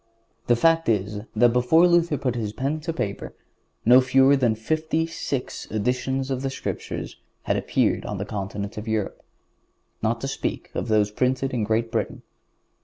The fact is, that before Luther put his pen to paper, no fewer than fifty six editions of the Scriptures had appeared on the continent of Europe, not to speak of those printed in Great Britain.